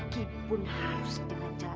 meskipun harus dimanjakan